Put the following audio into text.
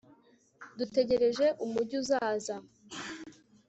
dutegereje umugi uzaza